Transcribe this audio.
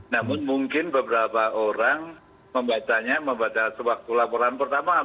namun mungkin beberapa orang membacanya membaca sewaktu laporan pertama